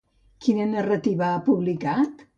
Quina narrativa ha publicat?